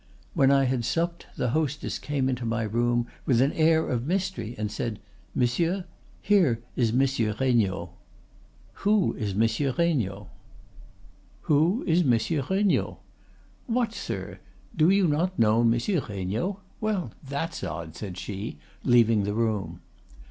When I had supped, the hostess came into my room with an air of mystery, and said, 'Monsieur, here is Monsieur Regnault.' "'Who is Monsieur Regnault?' "'What, sir, do you not know Monsieur Regnault?—Well, that's odd,' said she, leaving the room.